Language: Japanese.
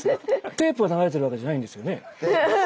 テープが流れてるわけじゃないんですよね。